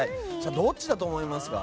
どっちだと思いますか？